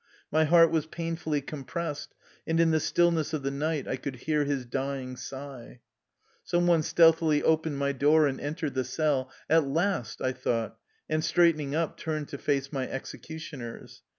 My heart was painfully compressed, and in the stillness of the night I could hear his dying sigh. Some one stealthily opened my door and entered the cell. " At last !'' I thought, and, straightening up, turned to face my execution ers.